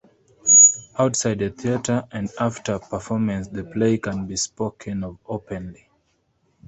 Outside a theatre and after a performance, the play can be spoken of openly.